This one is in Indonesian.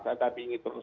saya tabingin terus